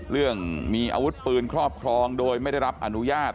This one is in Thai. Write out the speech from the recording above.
เรื่องมีอาวุธปืนครอบครองโดยไม่ได้รับอนุญาต